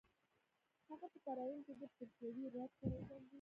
هغه په تراین کې د پرتیوي راج سره وجنګید.